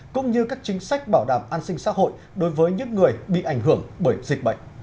cũng như các chính sách bảo đảm an sinh xã hội đối với những người bị ảnh hưởng bởi dịch bệnh